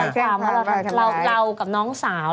เขาแจ้งความว่าเรากับน้องสาว